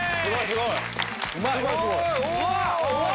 すごい！